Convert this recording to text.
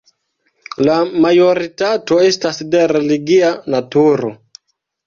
La majoritato estas de religia naturo.